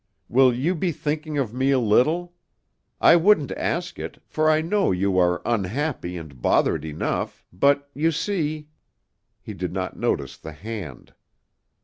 Will you be thinking of me a little? I wouldn't ask it, for I know you are unhappy and bothered enough, but, you see " He did not notice the hand.